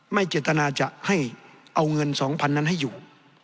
ไม่เจตนาจะให้เอาเงิน๒๐๐๐นั้นให้อยู่